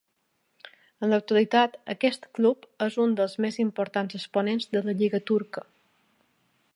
En l'actualitat aquest club és un dels més importants exponents de la lliga turca.